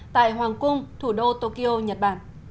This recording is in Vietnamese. tại hoàng cung thủ đô tokyo nhật bản